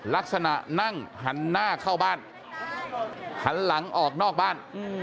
ลักษณะนั่งหันหน้าเข้าบ้านหันหลังออกนอกบ้าน